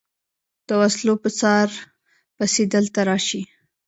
د وسلو په څار پسې دلته راشي.